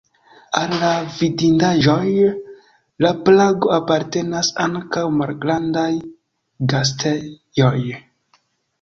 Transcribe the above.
Al la vidindaĵoj de Prago apartenas ankaŭ malgrandaj gastejoj.